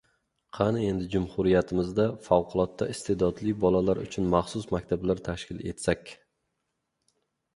Qani endi jumhuriyatimizda favqulodda iste’dodli bolalar uchun maxsus maktablar tashkil etsak.